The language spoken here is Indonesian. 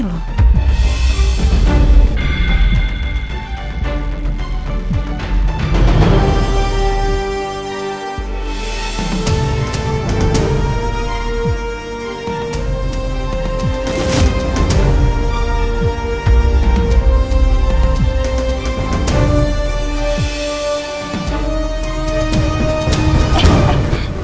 ke rumah ini